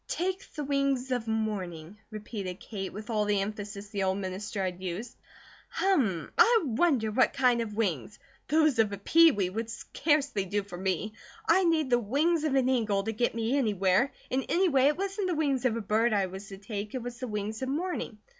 "Take the wings of morning," repeated Kate, with all the emphasis the old minister had used. "Hummm! I wonder what kind of wings. Those of a peewee would scarcely do for me; I'd need the wings of an eagle to get me anywhere, and anyway it wasn't the wings of a bird I was to take, it was the wings of morning.